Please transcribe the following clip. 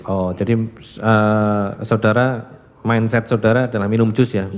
oh jadi mindset saudara adalah minum jus ya